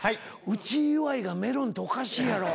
内祝いがメロンっておかしいやろ。